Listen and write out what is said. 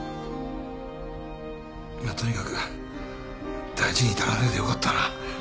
まあとにかく大事に至らねえでよかったな。